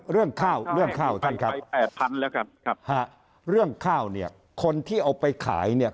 เรื่องข้าวเรื่องข้าวกันครับเรื่องข้าวเนี่ยคนที่เอาไปขายเนี่ย